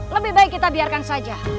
lebih baik kita biarkan saja